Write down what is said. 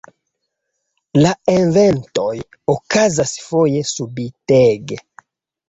La eventoj okazas foje subitege.